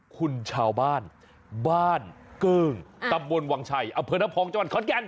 คุณชาวบ้านบ้านเกิ้งตำบลวังชัยอำเภอน้ำพองจังหวัดขอนแก่น